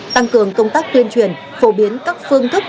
tăng cường công tác tuyên truyền phổ biến các phương thức